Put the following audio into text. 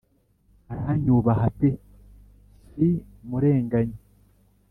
aranyubaha pe si murenganya